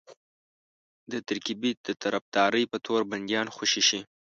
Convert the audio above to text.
د ترکیې د طرفدارۍ په تور بنديان خوشي شي.